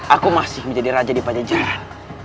aku masih menjadi raja di pajajaran